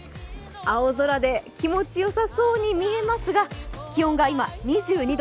青空で気持ちよさそうに見えますが、気温が今、２２度。